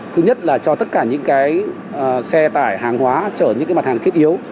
thứ nhất là cho tất cả những xe tải hàng hóa chở những mặt hàng thiết yếu